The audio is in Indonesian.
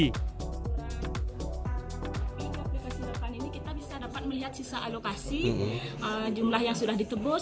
di aplikasi depan ini kita bisa dapat melihat sisa alokasi jumlah yang sudah ditebus